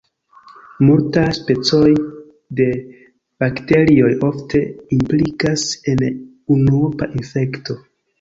Multaj specoj de bakterioj ofte implikas en unuopa infekto.